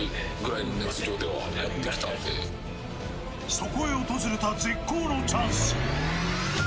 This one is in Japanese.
そこへ訪れた絶好のチャンス。